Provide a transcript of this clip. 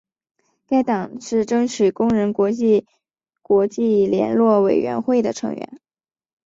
该党是争取工人国际国际联络委员会的成员。